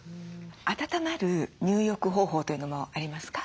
温まる入浴方法というのもありますか？